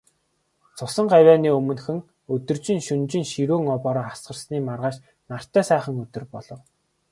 Цусан гавьяаны өмнөхөн, өдөржин, шөнөжин ширүүн бороо асгарсны маргааш нартай сайхан өдөр болов.